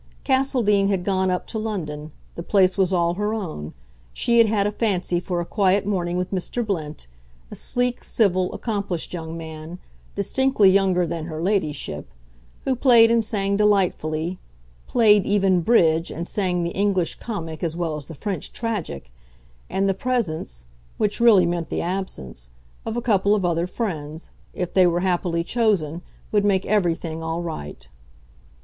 Castledean had gone up to London; the place was all her own; she had had a fancy for a quiet morning with Mr. Blint, a sleek, civil, accomplished young man distinctly younger than her ladyship who played and sang delightfully (played even "bridge" and sang the English comic as well as the French tragic), and the presence which really meant the absence of a couple of other friends, if they were happily chosen, would make everything all right.